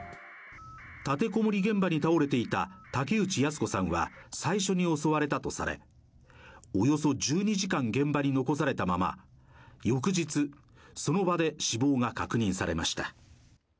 立てこもり現場に倒れていた竹内靖子さんは最初に襲われたとされおよそ１２時間、現場に残されたまま翌日、その場で死亡が確認されました。